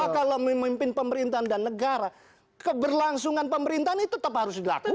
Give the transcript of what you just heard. kalau memimpin pemerintahan dan negara keberlangsungan pemerintahan itu tetap harus dilakukan